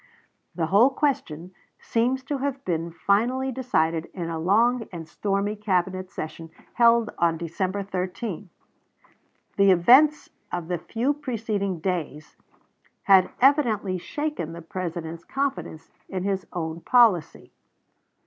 The whole question seems to have been finally decided in a long and stormy Cabinet session held on December 13. The events of the few preceding days had evidently shaken the President's confidence in his own policy.